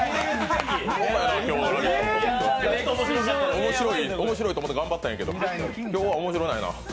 面白いと思って、がんばったんやけど今日はおもしろないな。